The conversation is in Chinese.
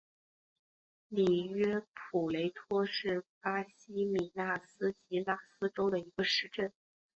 里约普雷托是巴西米纳斯吉拉斯州的一个市镇。